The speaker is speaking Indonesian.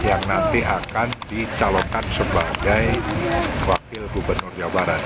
yang nanti akan dicalonkan sebagai wakil gubernur jawa barat